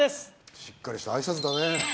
しっかりした挨拶だね。